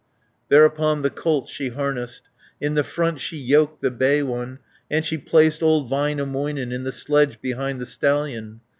Thereupon the colt she harnessed, In the front she yoked the bay one, 350 And she placed old Väinämöinen In the sledge behind the stallion.